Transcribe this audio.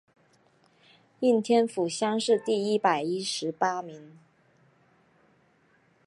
应天府乡试第一百十八名。